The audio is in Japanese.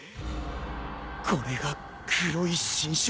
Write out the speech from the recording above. これが黒い侵食。